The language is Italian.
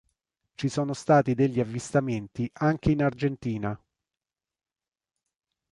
Ci sono stati degli avvistamenti anche in Argentina.